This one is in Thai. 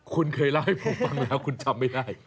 คุณเคยเล่าให้ผมฟังแล้วคุณจำไม่ได้